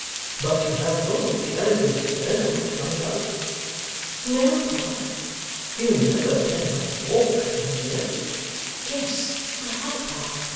But you have brought the elegant turn out, my love?' 'No, Pa.' 'You never can have walked, my dear?' 'Yes, I have, Pa.